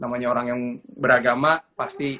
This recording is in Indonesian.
namanya orang yang beragama pasti